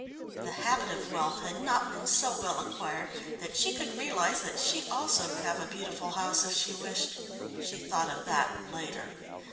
The habit of wealth had not been so well acquired that she could realise that she also could have a beautiful house if she wished she thought of that later.